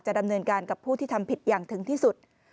ดำเนินการกับผู้ที่ทำผิดอย่างถึงที่สุด